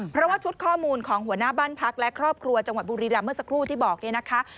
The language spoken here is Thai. เพราะว่าชุดข้อมูลของหัวหน้าบ้านพักและครอบครัวจังหวัดบุรีรำเมื่อสักครู่ที่บอกเนี่ยนะคะ